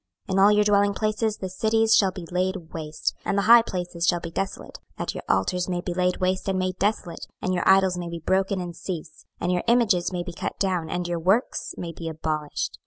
26:006:006 In all your dwellingplaces the cities shall be laid waste, and the high places shall be desolate; that your altars may be laid waste and made desolate, and your idols may be broken and cease, and your images may be cut down, and your works may be abolished.